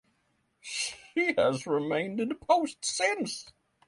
She has remained in post since.